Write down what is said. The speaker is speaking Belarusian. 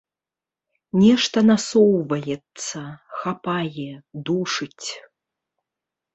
Нешта насоўваецца, хапае, душыць.